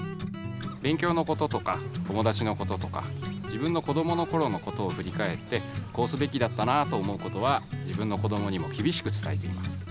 べんきょうのこととか友だちのこととか自分のこどものころのことをふりかえってこうすべきだったなと思うことは自分のこどもにもきびしくつたえています。